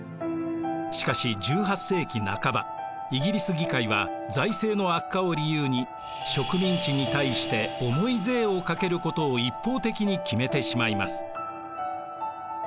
しかし１８世紀半ばイギリス議会は財政の悪化を理由に植民地に対して重い税をかけることを一方的に決めてしまいます。